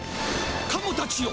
カモたちよ